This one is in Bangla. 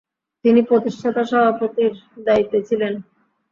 তিনি প্রতিষ্ঠাতা সভাপতির দায়িত্বে ছিলেন।